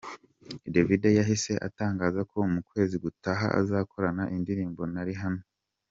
Davido yahise atangaza ko mu kwezi gutaha azakorana indirimbo na Rihanna.